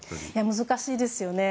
難しいですよね。